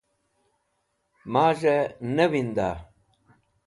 Maz̃hẽ ne winda?